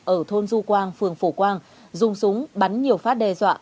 ở thôn du quang phường phổ quang dùng súng bắn nhiều phát đe dọa